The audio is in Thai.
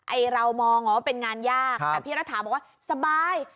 เรามองว่าเป็นงานยากแต่พี่รัฐาบอกว่าสบาย